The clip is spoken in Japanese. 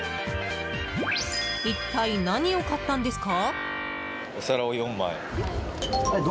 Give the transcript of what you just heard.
一体、何を買ったんですか？